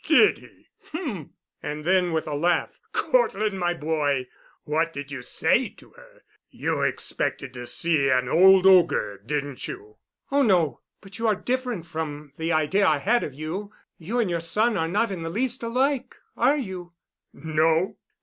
"Did he? H—m!" And then, with a laugh, "Cortland, my boy, what did you say to her? You expected to see an old ogre, didn't you?" "Oh, no, but you are different from the idea I had of you. You and your son are not in the least alike, are you?" "No.